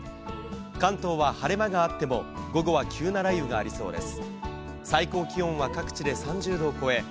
関東は晴れ間があっても、午後は急な雷雨がありそうです。